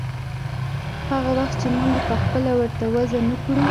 هغه وخت چې موږ يې پخپله ورته وضع نه کړو.